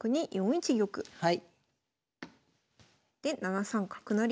で７三角成。